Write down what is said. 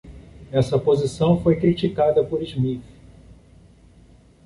Essa posição foi criticada por Smith.